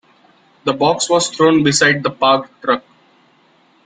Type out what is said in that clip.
The box was thrown beside the parked truck.